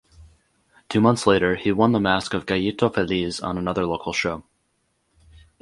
Two months later he won the mask of Gallito Feliz on another local show.